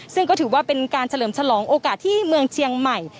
ซึ่งก็ถือว่าเป็นการเฉลิมฉลองโอกาสที่เมืองเชียงใหม่